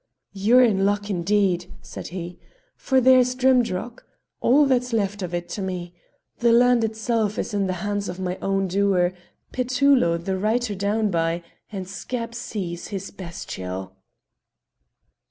"You're in luck indeed," said he; "for there's Drimdarroch all that's left of it to me: the land itself is in the hands of my own doer, Petullo the writer down by, and scab seize his bestial!"